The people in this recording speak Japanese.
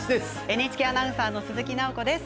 ＮＨＫアナウンサーの鈴木奈穂子です。